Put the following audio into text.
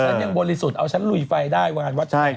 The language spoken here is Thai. ฉันยังบริสุทธิ์เอาฉันลุยไฟได้วานวัดชัย